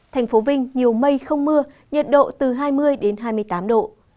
thành phố vinh nhiều mây không mưa nhiệt độ từ hai mươi hai mươi tám độ